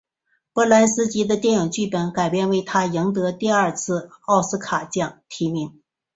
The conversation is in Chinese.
波兰斯基的电影剧本改编为他赢得第二次奥斯卡奖提名。